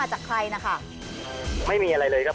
สวัสดีครับ